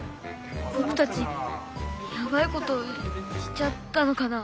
ぼくたちヤバいことしちゃったのかな。